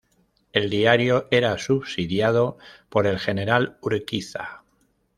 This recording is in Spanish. El diario era subsidiado por el general Urquiza.